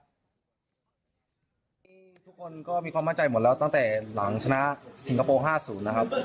ทุกคนก็มีความมั่นใจหมดแล้วตั้งแต่หลังชนะสิงคโปร์๕๐นะครับ